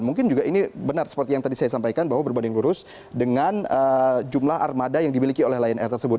mungkin juga ini benar seperti yang tadi saya sampaikan bahwa berbanding lurus dengan jumlah armada yang dimiliki oleh lion air tersebut